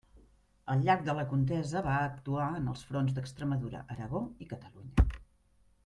Al llarg de la contesa va actuar en els fronts d'Extremadura, Aragó i Catalunya.